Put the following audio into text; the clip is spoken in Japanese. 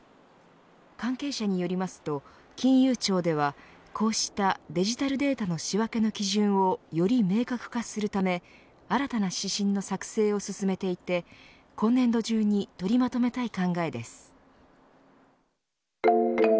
関係者によりますと金融庁ではこうしたデジタルデータの仕分けの基準をより明確化するため新たな指針の作成を進めていて今年度中に取りまとめたい考えです。